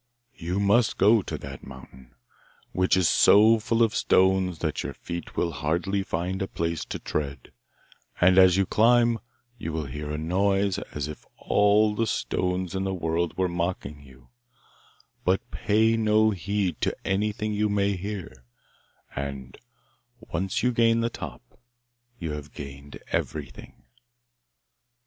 'You must go to that mountain, which is so full of stones that your feet will hardly find a place to tread, and as you climb you will hear a noise as if all the stones in the world were mocking you; but pay no heed to anything you may hear, and, once you gain the top, you have gained everything.